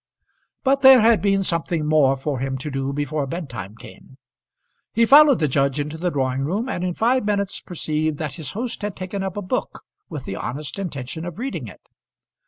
But there had been something more for him to do before bedtime came. He followed the judge into the drawing room, and in five minutes perceived that his host had taken up a book with the honest intention of reading it.